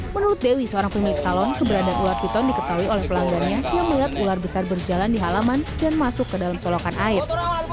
menurut dewi seorang pemilik salon keberadaan ular piton diketahui oleh pelanggannya yang melihat ular besar berjalan di halaman dan masuk ke dalam solokan air